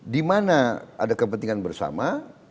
di mana ada kepentingan bersama